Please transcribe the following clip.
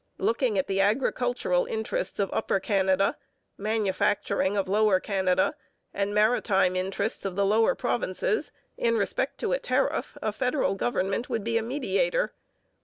Looking at the agricultural interests of Upper Canada, manufacturing of Lower Canada, and maritime interests of the lower provinces, in respect to a tariff, a federal government would be a mediator.